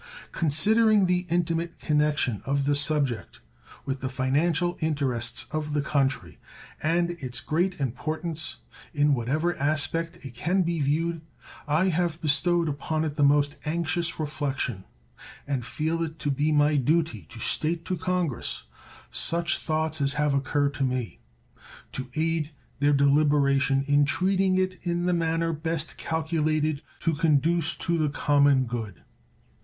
Considering the intimate connection of the subject with the financial interests of the country and its great importance in whatever aspect it can be viewed, I have bestowed upon it the most anxious reflection, and feel it to be my duty to state to Congress such thoughts as have occurred to me, to aid their deliberation in treating it in the manner best calculated to conduce to the common good.